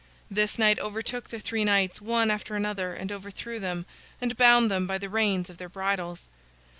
This knight overtook the three knights, one after another, and overthrew them, and bound them by the reins of their bridles.